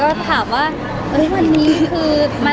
หลักไม่ได้มาหาเบลมาหาพี่อ๊อฟอยากเจอพี่อ๊อฟมาก